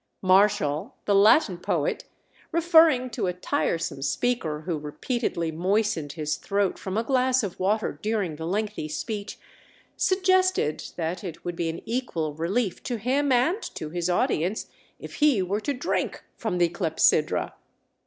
Martial, the Latin poet, referring to a tiresome speaker who repeatedly moistened his throat from a glass of water during the lengthy speech, suggested that it would be an equal relief to him and to his audience, if he were to drink from the clepsydra.